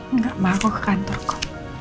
enggak ma aku ke kantor ko